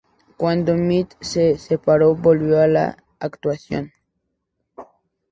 Cuando Mint se separó, volvió a la actuación.